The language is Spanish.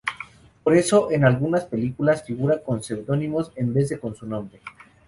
Por eso, en algunas películas figura con seudónimos en vez de con su nombre.